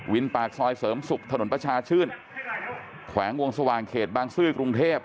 ปากซอยเสริมศุกร์ถนนประชาชื่นแขวงวงสว่างเขตบางซื่อกรุงเทพ